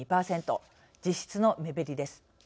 実質の目減りです。